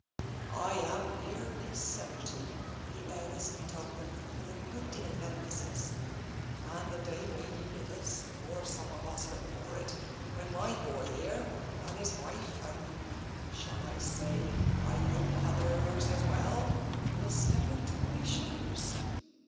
I am nearly seventy," he earnestly told them, with a good deal of emphasis, " and the day may be with us before some of us look for it, when my boy here, and his wife and — shall I say, I hope otherrs as well? — will step into my shoes.